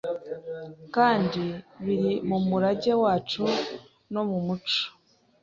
kandi biri mu murage wacu no mu muco